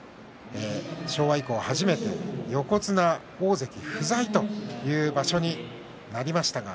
昭和以降初めて横綱、大関不在という場所になりました。